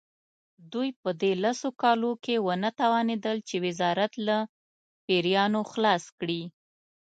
دوی په دې لسو کالو کې ونه توانېدل چې وزارت له پیریانو خلاص کړي.